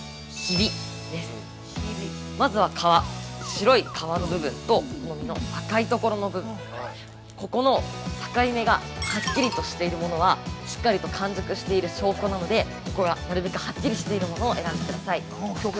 白い皮の部分と実の赤いところの部分、ここの境目がはっきりとん場しているものは、しっかりと完熟している証拠なのでここがなるべくはっきりしているものを選んでください。